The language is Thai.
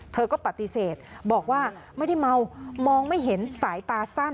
เธอก็ปฏิเสธบอกว่าไม่ได้เมามองไม่เห็นสายตาสั้น